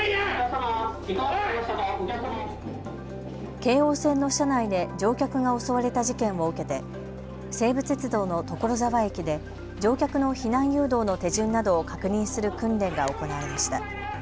京王線の車内で乗客が襲われた事件を受けて西武鉄道の所沢駅で乗客の避難誘導の手順などを確認する訓練が行われました。